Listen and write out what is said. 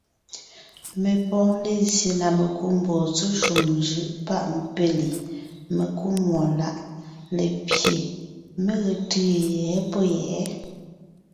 Mé pɔ́ɔn lézye na mekú mbɔɔ tsɔ́ shúm njʉ́ʼ páʼ péli, mekúmúɔláʼ lépye, mé ge tʉ́ʉ yɛ̌ pɔ̌ yɛ̌.